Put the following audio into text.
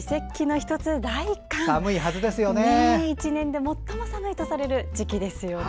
１年で最も寒いとされる時期ですよね。